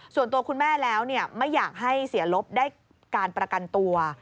ส่วนตัวคุณแม่แล้วไม่อยากให้เสียลบได้การประกันตัว